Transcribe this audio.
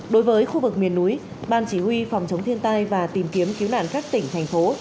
đối với khu vực miền núi ban chỉ huy phòng chống thiên tai và tìm kiếm cứu nạn các tỉnh thành phố